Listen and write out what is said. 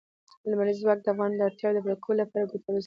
لمریز ځواک د افغانانو د اړتیاوو د پوره کولو لپاره یوه ګټوره وسیله ده.